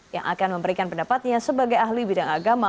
yang akan memberikan pendapatnya sebagai ahli bidang agama